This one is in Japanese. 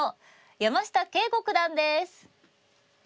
山下敬吾九段です。